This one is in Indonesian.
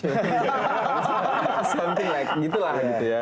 something like gitu lah gitu ya